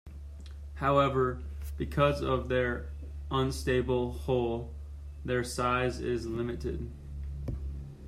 However, because of their unstable hull, their size is limited.